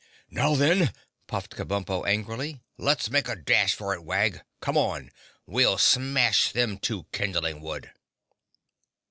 "Now then!" puffed Kabumpo angrily, "let's make a dash for it, Wag. Come on; we'll smash them to kindling wood!"